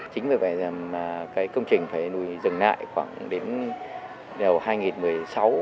chính vì vậy công trình phải dừng lại khoảng đến đầu hai nghìn một mươi sáu